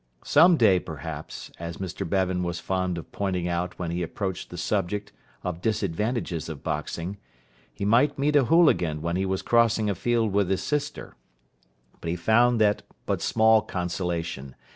Some day, perhaps, as Mr Bevan was fond of pointing out when he approached the subject of disadvantages of boxing, he might meet a hooligan when he was crossing a field with his sister; but he found that but small consolation.